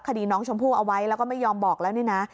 คดีน้องชมพู่เอาไว้แล้วก็ไม่ยอมบอกแล้วนี่นะ